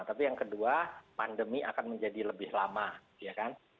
tapi yang kedua pandemi akan menjadi lebih lama ya kan